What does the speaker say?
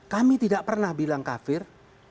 kami tidak pernah bilang kafir